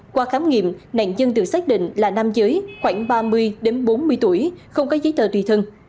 qua khám nghiệm nạn nhân được xác định là nam giới khoảng ba mươi bốn mươi tuổi không có giấy tờ tùy thân